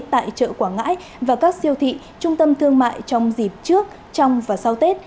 tại chợ quảng ngãi và các siêu thị trung tâm thương mại trong dịp trước trong và sau tết